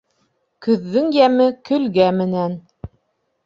Көҙҙөң йәме көлгә менән.